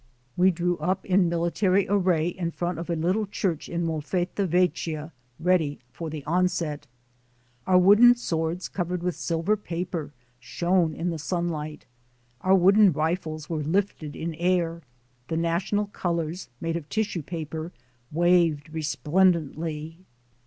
We drew up in military array in front of a little church in Molfetta vecchia, ready for the onset. Our wood en swords covered with silver paper shone in the sunlight. Our wooden rifles were lifted in air; the national colors, made of tissue paper, waved resplendently.